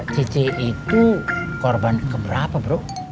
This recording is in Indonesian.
titik itu korban keberapa bro